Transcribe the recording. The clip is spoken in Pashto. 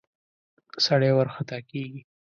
سړی ورخطا کېږي.